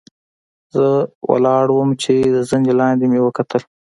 زۀ ولاړ ووم چې د زنې لاندې مې وکتل